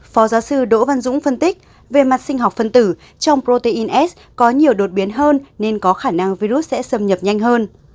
phó giáo sư đỗ văn dũng phân tích về mặt sinh học phân tử trong proteins có nhiều đột biến hơn nên có khả năng virus sẽ xâm nhập nhanh hơn